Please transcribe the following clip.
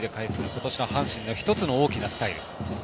今年の阪神の１つの大きなスタイル。